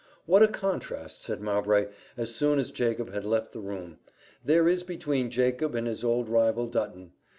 "What a contrast," said Mowbray, as soon as Jacob had left the room, "there is between Jacob and his old rival, Dutton!